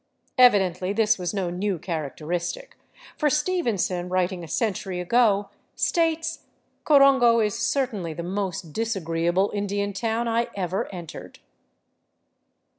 Evidently this was no new characteristic, for Stevenson, writing a century ago, states, *' Corongo is certainly the most disagreeable Indian town I ever entered."